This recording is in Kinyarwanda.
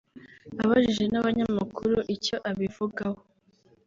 Abajijwe n’abanyamakuru icyo abivugaho